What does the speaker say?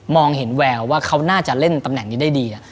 เห็นแววว่าเขาน่าจะเล่นตำแหน่งนี้ได้ดี